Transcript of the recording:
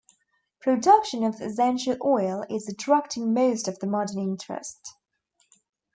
Production of essential oil is attracting most of the modern interest.